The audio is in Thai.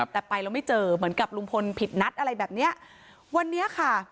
แต่ไปแล้วไม่เจอเหมือนกับลุงพลผิดนัดอะไรแบบเนี้ยวันนี้ค่ะ